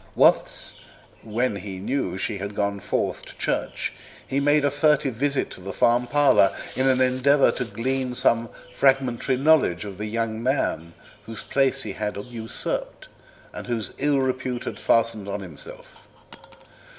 Once, when he knew she had gone forth to church, he made a furtive visit to the farm parlour in an endeavour to glean some fragmentary knowledge of the young man whose place he had usurped, and whose ill repute he had fastened on himself.